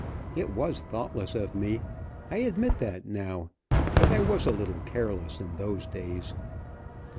It was thoughtless of me. I admit that now, but I was a little careless in those days.